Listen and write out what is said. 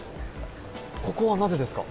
ここはなぜですか？